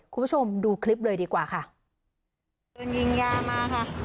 คุณผู้ชมดูคลิปเลยดีกว่าค่ะโดนยิงยามาค่ะ